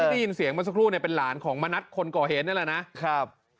ที่ได้ยินเสียงมาสักครู่เนี่ยเป็นหลานของมะนัดคนก่อเห็นนั่นแหละน่ะครับ